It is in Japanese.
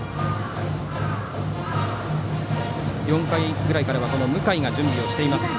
４回ぐらいからは向井が準備しています。